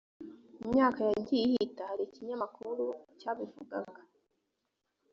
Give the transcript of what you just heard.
imyaka yagiye ihita hari ikinyamakuru cyabivugaga